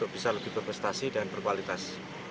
berprestasi dan berkualitas